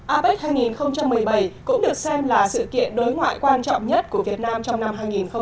apec hai nghìn một mươi bảy cũng được xem là sự kiện đối ngoại quan trọng nhất của việt nam trong năm hai nghìn một mươi tám